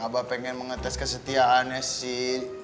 abah ingin mengetes kesetiaannya sih